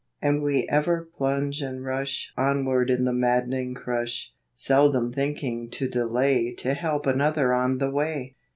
And we ever plunge and rush Onward in the maddening crush, Seldom thinking to delay To help another on the way.